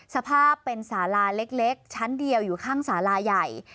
สภาพเป็นสาลาเล็กชั้นเดียวอยู่ข้างสาลาใหญ่